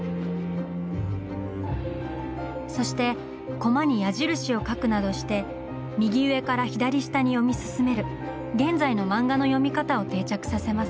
そしてコマに矢印を描くなどして右上から左下に読み進める現在の漫画の読み方を定着させます。